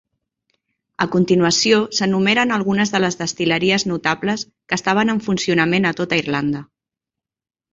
A continuació s"enumeren algunes de les destil·leries notables que estaven en funcionament a tota Irlanda.